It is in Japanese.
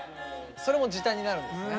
それも時短になるんですね。